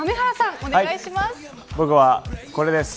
僕はこれです。